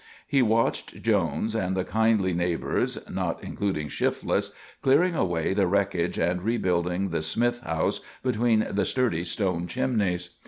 He watched Jones and the kindly neighbors (not including Shifless) clearing away the wreckage and rebuilding the Smith house between the sturdy stone chimneys.